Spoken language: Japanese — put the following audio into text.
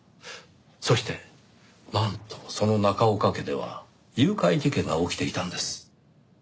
そしてなんとその中岡家では誘拐事件が起きていたんです。